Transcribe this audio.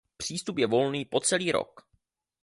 Přístup je volný po celý rok.